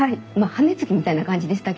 羽根つきみたいな感じでした